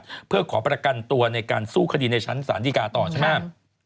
แล้วเขาก็พอประกันตัวในการสู้คดีในชั้นสารดีการต่อใช่มั้ย